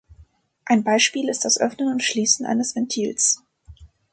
Ein Beispiel ist das Öffnen und Schließen eines Ventils.